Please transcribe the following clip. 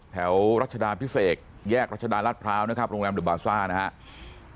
แถวรัชดาพิเศษแยกรัชดารัฐพร้าวนะครับโรงแรมเดอร์บาซ่านะครับ